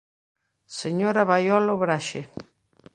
Señora Baiolo Braxe.